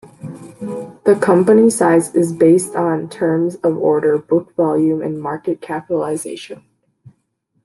The company size is based on terms of order book volume and market capitalization.